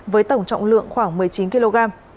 với tổng trọng lượng khoảng một mươi chín kg